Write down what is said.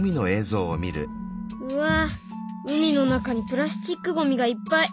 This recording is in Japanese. うわ海の中にプラスチックゴミがいっぱい。